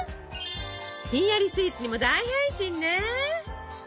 ひんやりスイーツにも大変身ね！